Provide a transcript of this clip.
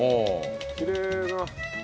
きれいな。